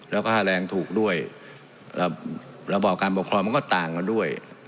แล้วก็ถ้าแรงถูกด้วยระบบการบังคลอมมันก็ต่างกันด้วย